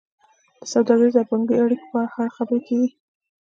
د سوداګریزو او بانکي اړیکو په اړه خبرې کیږي